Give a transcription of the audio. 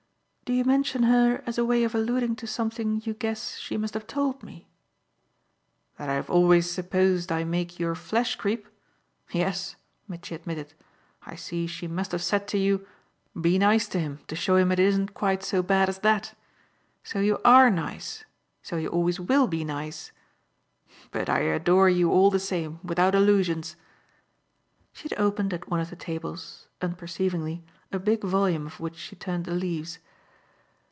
"Do you mention her as a way of alluding to something you guess she must have told me?" "That I've always supposed I make your flesh creep? Yes," Mitchy admitted; "I see she must have said to you: 'Be nice to him, to show him it isn't quite so bad as that!' So you ARE nice so you always WILL be nice. But I adore you, all the same, without illusions." She had opened at one of the tables, unperceivingly, a big volume of which she turned the leaves.